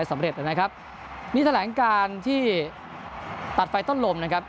ไม่ถล่างการที่ตัดไฟต้นลมนะครับ